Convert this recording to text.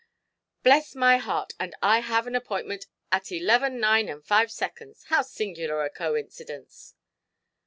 "Bless my heart, and I have an appointment at 11.9 and five seconds. How singular a coincidence"!